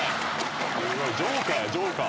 ジョーカーやジョーカー！